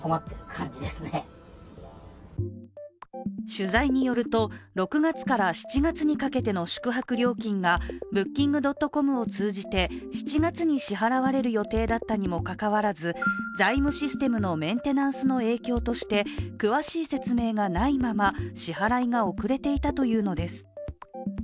取材によると６月から７月にかけての宿泊料金がＢｏｏｋｉｎｇ．ｃｏｍを通じて、７月に支払われる予定だったにもかかわらず、財務システムのメンテナンスの影響として詳しい説明がないまま支払いが遅れていたというのです。